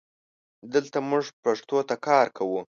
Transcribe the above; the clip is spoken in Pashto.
دلته مونږ پښتو ته کار کوو